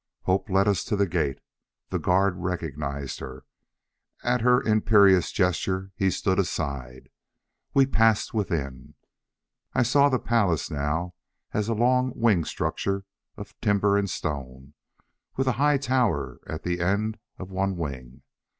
Hope led us to the gate. The guard recognized her. At her imperious gesture he stood aside. We passed within. I saw the palace now as a long winged structure of timber and stone, with a high tower at the end of one wing.